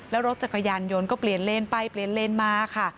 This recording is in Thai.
แล้วรถจักรยานยนต์ก็เปลี่ยนเลนไปเปลี่ยนเลนมาค่ะ